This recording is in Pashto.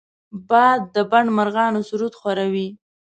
باد د بڼ مرغانو سرود خواره وي